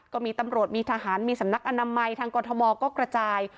ก็มีตำรวจมีทหารมีสำนักอนามัยทางกรทมก็กระจาย